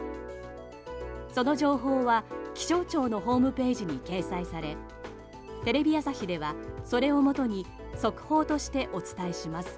その情報は気象庁のホームページに掲載されテレビ朝日では、それをもとに速報としてお伝えします。